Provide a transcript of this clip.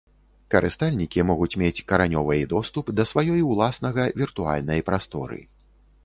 Карыстальнікі могуць мець каранёвай доступ да сваёй ўласнага віртуальнай прасторы.